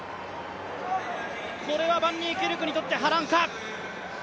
これはバンニーキルクにとって波乱か。